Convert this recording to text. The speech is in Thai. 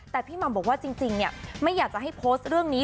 แต่พี่หม่ำบอกว่าจริงไม่อยากจะให้โพสต์เรื่องนี้